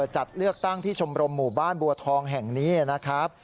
จัดเลือกตั้งที่ชมรมหมู่บ้านบัวทองแห่งนี้นะครับ